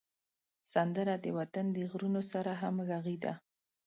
سندره د وطن د غرونو سره همږغي ده